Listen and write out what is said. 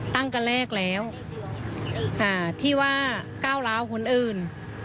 ตั้งกันแลกแล้วอ่าที่ว่าเก้าร้าวคนอื่น